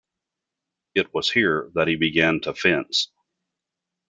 It was here that he began to fence.